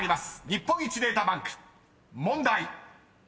日本一データバンク問題］